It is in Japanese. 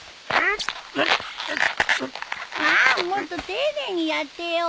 ああっもっと丁寧にやってよ！